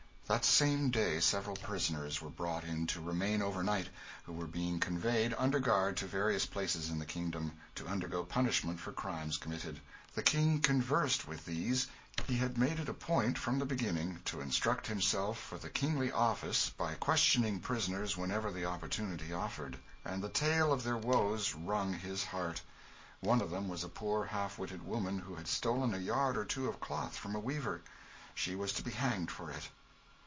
That same day several prisoners were brought in to remain over night, who were being conveyed, under guard, to various places in the kingdom, to undergo punishment for crimes committed. The King conversed with these he had made it a point, from the beginning, to instruct himself for the kingly office by questioning prisoners whenever the opportunity offered and the tale of their woes wrung his heart. One of them was a poor half witted woman who had stolen a yard or two of cloth from a weaver she was to be hanged for it.